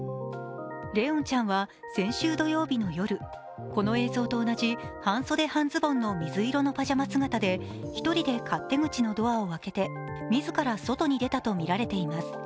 怜音ちゃんは先週土曜日の夜、この写真と同じ半袖半ズボンの水色のパジャマ姿で１人で勝手口のドアを開けて自ら外に出たとみられています